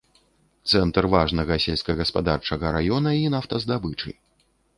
Цэнтр важнага сельскагаспадарчага раёна і нафтаздабычы.